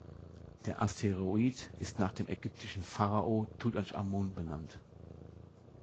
Der Asteroid ist nach dem ägyptischen Pharao Tutanchamun benannt.